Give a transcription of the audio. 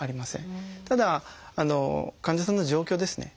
ただ患者さんの状況ですね。